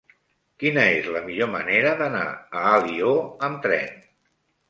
Quina és la millor manera d'anar a Alió amb tren?